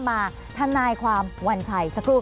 ภารกิจสรรค์ภารกิจสรรค์